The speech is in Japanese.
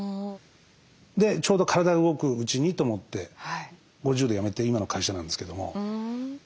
でちょうど体が動くうちにと思って５０で辞めて今の会社なんですけども。